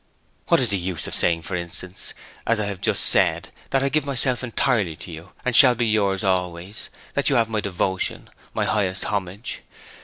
What's the use of saying, for instance, as I have just said, that I give myself entirely to you, and shall be yours always, that you have my devotion, my highest homage?